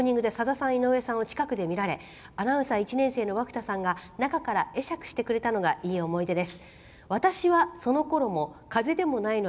オープニングでさださん、井上さんを近くで見られアナウンサー１年生の和久田さんが中から会釈してくれたのがいい思い出です。